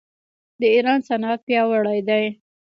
د ایران صنعت پیاوړی دی.